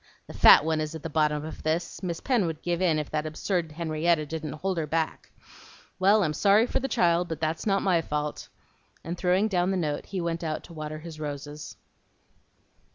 The fat one is at the bottom of this. Miss Pen would give in if that absurd Henrietta didn't hold her back. Well, I'm sorry for the child, but that's not my fault;" and throwing down the note, he went out to water his roses.